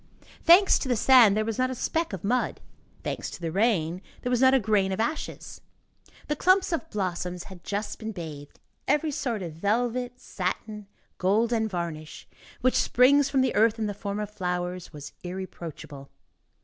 Thanks to the sand, there was not a speck of mud; thanks to the rain, there was not a grain of ashes. The clumps of blossoms had just been bathed; every sort of velvet, satin, gold and varnish, which springs from the earth in the form of flowers, was irreproachable.